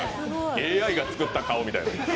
ＡＩが作った顔みたいな。